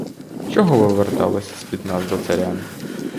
Чого ви верталися з-під нас до царя?